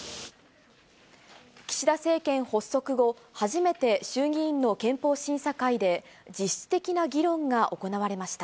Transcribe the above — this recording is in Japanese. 岸田政権発足後、初めて衆議院の憲法審査会で、実質的な議論が行われました。